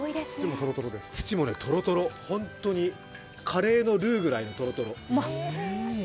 土もとろとろ、ホントにカレーのルーぐらいとろとろ。